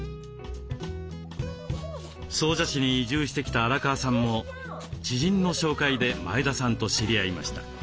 総社市に移住してきた荒川さんも知人の紹介で前田さんと知り合いました。